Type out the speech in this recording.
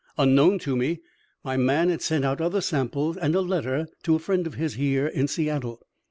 Unknown to me, my man had sent out other samples and a letter to a friend of his here in Seattle.